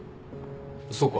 そうか。